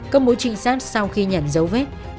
công bố trinh sát sau khi nhận dấu vết